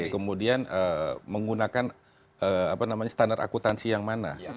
kemudian menggunakan apa namanya standar akutansi yang mana